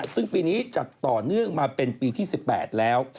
ซึ่งปีนี้จัดต่อเนื่องมาเป็นปีที่๑๘แล้ว